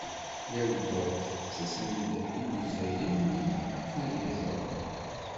Yal ddurt ttasen-d yimejjayen-nni akken ad iyi-iẓren.